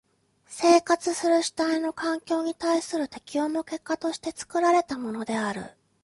生活する主体の環境に対する適応の結果として作られたものである。